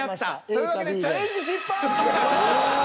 というわけでチャレンジ失敗！